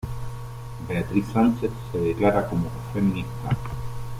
Beatriz Sánchez se declara como feminista.